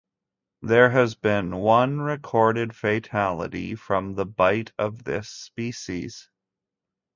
There has been one recorded fatality from the bite of this species.